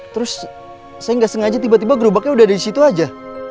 terus saya nggak sengaja tiba tiba gerobaknya udah di situ aja